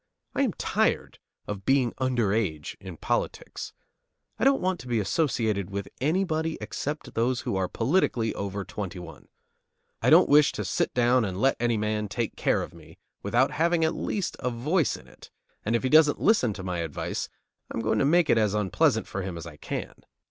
I am tired of being under age in politics. I don't want to be associated with anybody except those who are politically over twenty one. I don't wish to sit down and let any man take care of me without my having at least a voice in it; and if he doesn't listen to my advice, I am going to make it as unpleasant for him as I can.